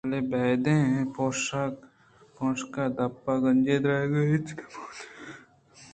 بلے بیدے پُونشگ ءُ دپ ءَ گَجّ ءِ درآہگ ءَ ہچ نہ بُوت